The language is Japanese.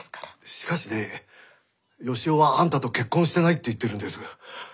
しかしね義雄はあんたと結婚してないって言ってるんです。